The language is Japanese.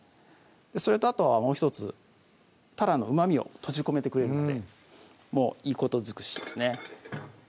それとあとはもう１つたらのうまみを閉じ込めてくれるのでもういいこと尽くしですね